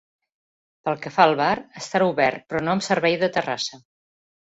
Pel que fa al bar, estarà obert però no amb servei de terrassa.